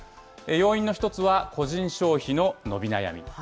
要因の一つは個人消費の伸び悩み。